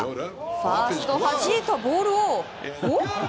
ファーストはじいたボールを。